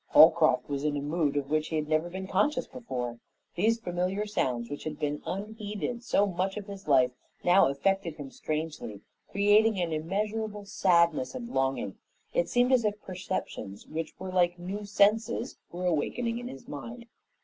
Holcroft was in a mood of which he had never been conscious before. These familiar sounds, which had been unheeded so much of his life, now affected him strangely, creating an immeasurable sadness and longing. It seemed as if perceptions which were like new senses were awakening in his mind.